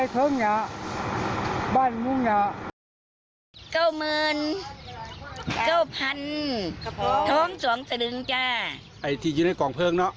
เก้าเม้นเก้าพันครับพงทองสองตรึงจ้ะไอด์จีนให้กองเพลิงเนอะ